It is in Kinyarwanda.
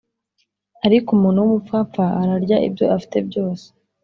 ariko umuntu wumupfapfa ararya ibyo afite byose